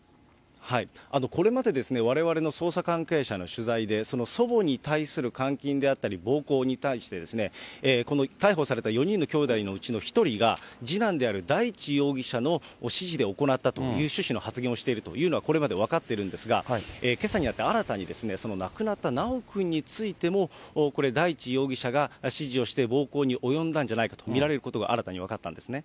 これまでわれわれの捜査関係者への取材でその祖母に対する監禁であったり、暴行に対して、この逮捕された４人のきょうだいのうちの１人が、次男である大地容疑者の指示で行ったという趣旨の発言をしているというのは、これまで分かっているんですが、けさになって新たに、その亡くなった修くんについても、これ大地容疑者が指示をして暴行に及んだんじゃないかと見られることが新たに分かったんですね。